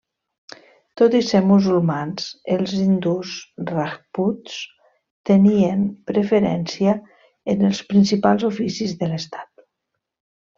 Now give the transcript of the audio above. Tot i ser musulmans els hindús rajputs tenien preferència en els principals oficis de l'estat.